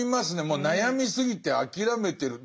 もう悩みすぎて諦めてる。